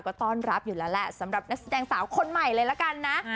ก็ต้อนรับอยู่แล้วแหละสำหรับนักแสดงสาวคนใหม่เลยละกันนะ